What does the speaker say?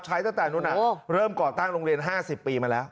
ตั้งแต่นู้นเริ่มก่อตั้งโรงเรียน๕๐ปีมาแล้ว